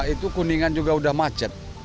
itu kuningan juga sudah macet